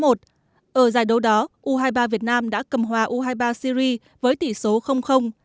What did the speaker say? ở giải đấu đó u hai mươi ba việt nam đã cầm hòa u hai mươi ba syri với tỷ số